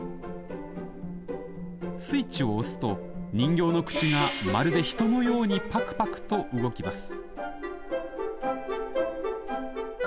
スイッチを押すと人形の口がまるで人のようにパクパクと動きます。